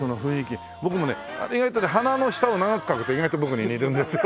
僕もね意外とね鼻の下を長く描くと意外と僕に似るんですよ。